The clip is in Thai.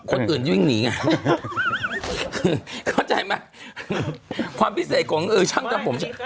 คนอื่นยิ่งหนีค่ะก็ใจมั้ยความพิเศษกองช่างแต่ผม